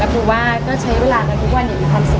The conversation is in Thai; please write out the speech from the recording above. ปูว่าก็ใช้เวลากันทุกวันอย่างมีความสุข